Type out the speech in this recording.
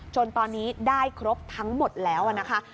จนตอนนี้ได้ครบทั้งหมดแล้วนะคะ